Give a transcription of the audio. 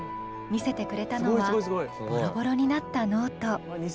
見せてくれたのはボロボロになったノート。